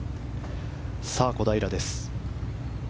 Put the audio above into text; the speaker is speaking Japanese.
小平です。